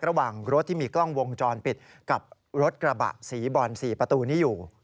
ระหว่างรถที่มีกล้องวงจรปิดกับรถกระบะสีบอล๔ประตูนี้อยู่